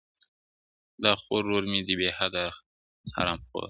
دا خو ورور مي دی بې حده حرامخوره.